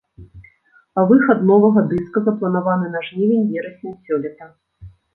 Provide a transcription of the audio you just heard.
А выхад новага дыска запланаваны на жнівень-верасень сёлета.